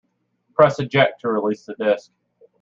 Press eject to release the disk.